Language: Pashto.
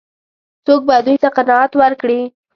څوک به دوی ته قناعت ورکړي؟